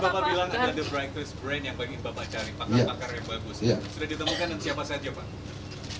sudah ditemukan dan siapa saja pak